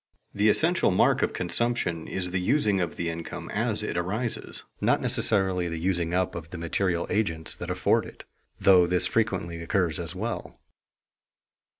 The essential mark of consumption is the using of the income as it arises, not necessarily the using up of the material agents that afford it, though this frequently occurs as well.